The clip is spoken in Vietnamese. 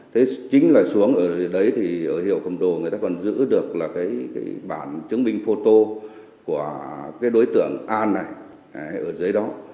thế chính là xuống ở đấy thì ở hiệu cầm đồ người ta còn giữ được là cái bản chứng minh photo của cái đối tượng an này ở dưới đó